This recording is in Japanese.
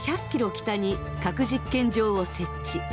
北に核実験場を設置。